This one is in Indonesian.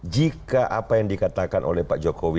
jika apa yang dikatakan oleh pak jokowi